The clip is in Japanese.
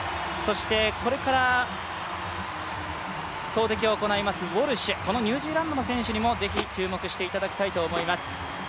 これから投てきを行いますウォルシュ、このニュージーランドの選手にもぜひ注目していただきたいと思います。